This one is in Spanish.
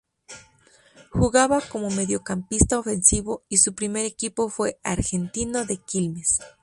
Jugaba como mediocampista ofensivo y su primer equipo fue Argentino de Quilmes.